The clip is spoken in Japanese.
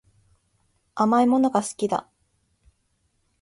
甘いものが好きだ